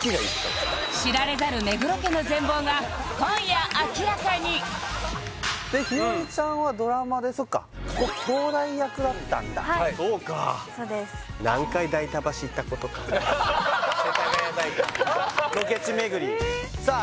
知られざる目黒家の全貌が今夜明らかにひよりちゃんはドラマでそっかここ兄妹役だったんだはいそうかそうです世田谷代田ロケ地巡りさあ